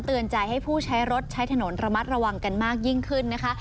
ใจให้ผู้ใช้รถใช้ถนนระมัดระวังกันมากยิ่งขึ้นนะคะ